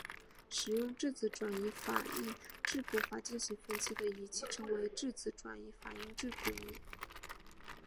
使用质子转移反应质谱法进行分析的仪器称为质子转移反应质谱仪。